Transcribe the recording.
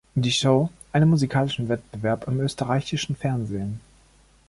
Die Show“, einem musikalischen Wettbewerb im österreichischen Fernsehen.